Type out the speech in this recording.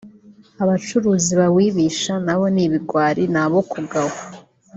abacuruzi bawibisha na bo ni ibigwari ni abo kugawa